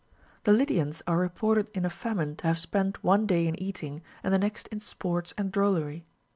20. The Lydians are reported in a famine to have spent one day in eating, and the next in sports and drollery.